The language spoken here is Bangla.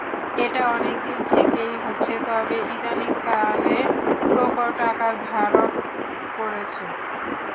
এটা অনেক দিন থেকেই হচ্ছে, তবে ইদানীংকালে প্রকট আকার ধারণ করেছে।